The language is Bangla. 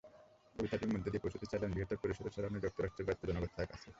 কবিতাটির মধ্য দিয়ে পৌঁছুতে চাইলেন বৃহত্তর পরিসরে ছড়ানো যুক্তরাষ্ট্রের ব্যাপ্ত জনতার কাছে।